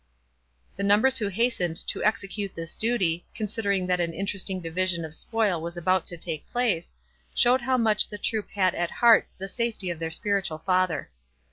The numbers who hastened to execute this duty, considering that an interesting division of spoil was about to take place, showed how much the troop had at heart the safety of their spiritual father.